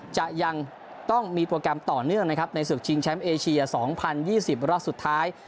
จะยังต้องมีโปรแกรมต่อเนื่องนะครับในศึกชิงแชมป์เอเชีย๒๐๒๐รอบสุดท้าย